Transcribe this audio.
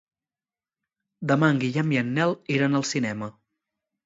Demà en Guillem i en Nel iran al cinema.